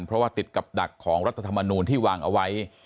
เพราะว่าติดกับดักของรัฐธรรมนูลที่วางเอาไว้